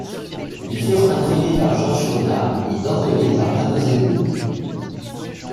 Ils furent imprimés par Georges Fonat et dentelés par mademoiselle Houde.